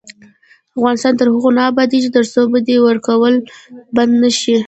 افغانستان تر هغو نه ابادیږي، ترڅو بدی ورکول بند نشي.